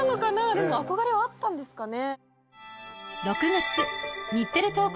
でも憧れはあったんですかね。